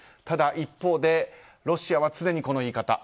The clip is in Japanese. ただ一方でロシアは常にこの言い方。